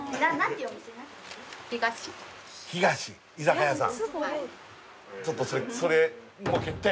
居酒屋さん？